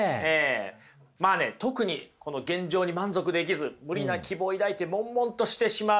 まあね特にこの現状に満足できず無理な希望抱いてもんもんとしてしまう。